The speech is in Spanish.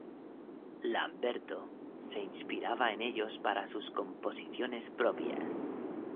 Lamberto se inspiraba en ellos para sus composiciones propias.